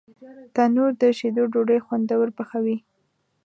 تنور د شیدو ډوډۍ خوندور پخوي